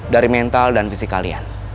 dari mental dan fisik kalian